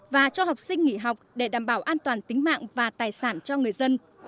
và cho học sinh nghỉ học để đảm bảo an toàn tính mạng và tài sản cho người dân